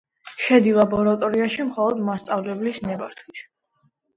შედი ლაბორატორიაში მხოლოდ მასწავლებლის ნებართვიტ